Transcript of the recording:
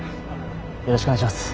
よろしくお願いします。